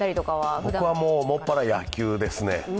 僕は専ら野球ですね。